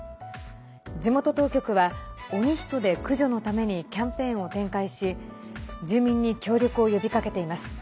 地元当局はオニヒトデ駆除のためにキャンペーンを展開し住民に協力を呼びかけています。